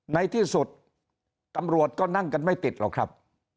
ในที่สุดตำรวจก็นั่งกันไม่ติดหรอกครับ